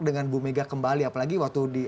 dengan bu mega kembali apalagi waktu di